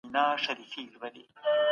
جنګونه د تباهۍ لار ده.